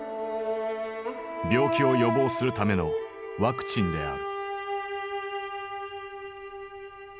病気を予防するためのワクチンである。